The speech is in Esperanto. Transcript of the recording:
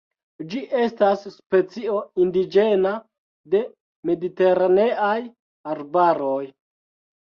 Ĝi estas specio indiĝena de mediteraneaj arbaroj.